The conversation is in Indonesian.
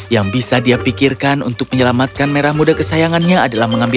yang bisa dia pikirkan untuk menyelamatkan merah muda kesayangannya adalah mengambil